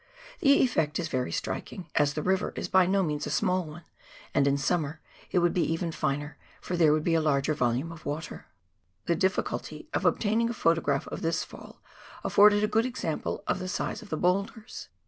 The effect is very striking, as the river is by no means a small one, and in summer it would be even finer, for there woidd be a larger volume of water. The difficulty of obtaining a photograph of this fall afibrded a good example of the size of the boulders.